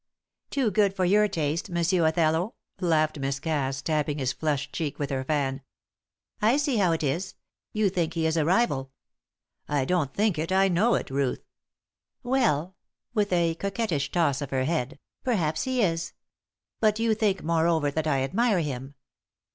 "Too good for your taste, Monsieur Othello," laughed Miss Cass, tapping his flushed cheek with her fan. "I see how it is. You think he is a rival." "I don't think it, I know it. Ruth." "Well," with a coquettish toss of her head, "perhaps he is. But you think, moreover, that I admire him.